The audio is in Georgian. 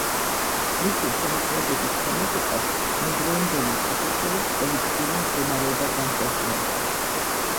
მისი შემოქმედების თემატიკას იმდროინდელი საქართველოს პოლიტიკური მდგომარეობა განსაზღვრავდა.